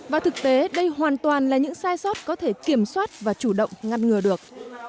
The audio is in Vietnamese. và thực tế đây hoàn toàn là những sai sót có thể kiểm soát và chủ động ngăn ngừa được